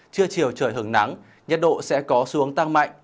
trưa chiều trời hứng nắng nhiệt độ sẽ có xuống tăng mạnh